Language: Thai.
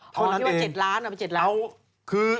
เพราะนั้นเองอ๋อเขาที่ว่า๗ล้าน